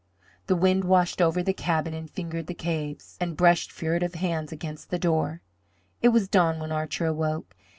The wind washed over the cabin and fingered the eaves, and brushed furtive hands against the door. It was dawn when Archer awoke.